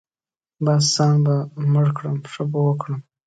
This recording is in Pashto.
بـس ځان به مړ کړم ښه به وکړم.